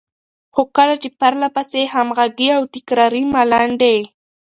خو کله چې پرلهپسې، همغږې او تکراري ملنډې،